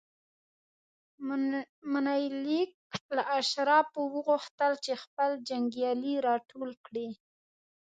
منیلیک له اشرافو وغوښتل چې خپل جنګیالي راټول کړي.